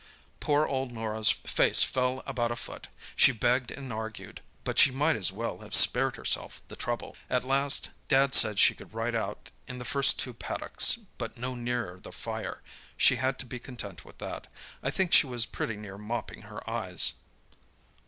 "Poor old Norah's face fell about a foot. She begged and argued, but she might as well have spared herself the trouble. At last Dad said she could ride out in the first two paddocks, but no nearer the fire, she had to be content with that. I think she was pretty near mopping her eyes."